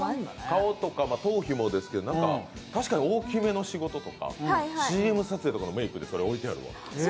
顔とか頭皮ですけど確かに大きめの仕事とかＣＭ撮影のメークで、それ置いてあるわ。